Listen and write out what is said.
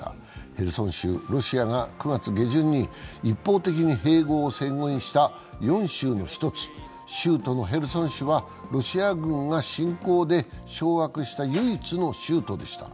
ヘルソン州、ロシアが９月下旬に一方的に併合を宣言した４州の一つ州都のヘルソン市はロシア軍が侵攻で掌握した唯一の州都でした。